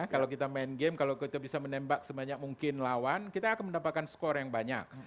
kalau kita main game kalau kita bisa menembak sebanyak mungkin lawan kita akan mendapatkan skor yang banyak